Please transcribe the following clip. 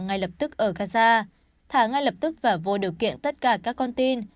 ngay lập tức ở gaza thả ngay lập tức và vô điều kiện tất cả các con tin